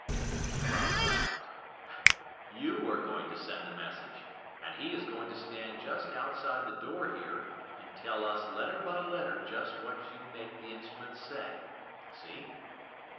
The robber laughed. "You are going to send the message, and he is going to stand just outside the door here and tell us letter by letter just what you make the instruments say. See?"